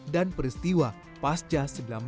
dan peristiwa pasca seribu sembilan ratus enam puluh lima